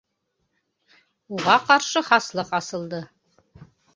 Уға ҡаршы хаслыҡ асылды!